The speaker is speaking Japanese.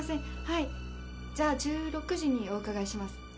じゃあ１６時にお伺いします。